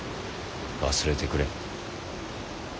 忘れてくれ。